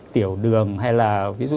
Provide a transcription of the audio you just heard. tiểu đường hay là ví dụ